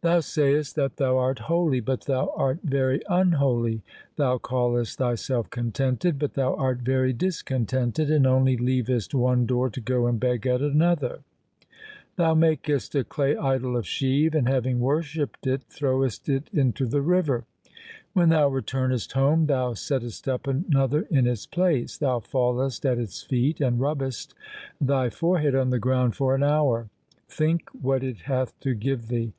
Thou sayest that thou art holy, but thou art very unholy. Thou callest thyself contented, but thou art very discontented, and only leavest one door to go and beg at another. Thou makest a clay idol of Shiv, and having worshipped it throwest it into the river. When thou returnest home thou settest up another in its place. Thou fallest at its feet, and rubbest thy forehead on the ground for an hour. Think what it hath to give thee.